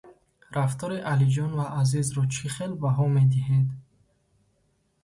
Рафтори Алиҷон ва Азизро чӣ хел баҳо медиҳед?